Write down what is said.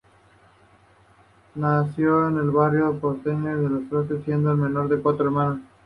Nació en el barrio porteño de Flores, siendo la menor de cuatro hermanos.